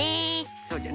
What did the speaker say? そうじゃな。